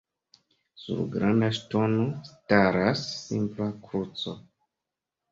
Sur Granda ŝtono staras simpla kruco.